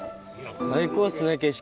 最高っすね景色。